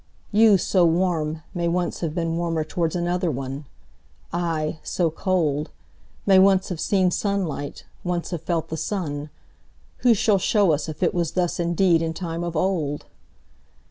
You, so warm, may once have beenWarmer towards another one:I, so cold, may once have seenSunlight, once have felt the sun:Who shall show us if it wasThus indeed in time of old?